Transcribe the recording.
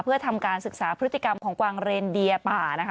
เพื่อทำการศึกษาพฤติกรรมของกวางเรนเดียป่านะคะ